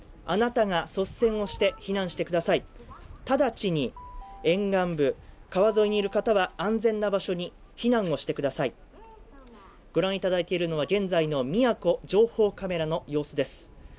あなたが率先をして避難してください、直ちに沿岸部、川沿いにいる方は、安全な場所に避難をしてくださいご覧いただいているのは現在の宮古情報カメラの様子です。